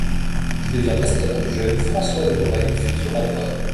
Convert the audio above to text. Il devient précepteur du jeune François de Lorraine, futur empereur.